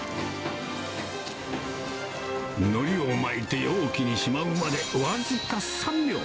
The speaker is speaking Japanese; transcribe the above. のりを巻いて容器にしまうまで、僅か３秒。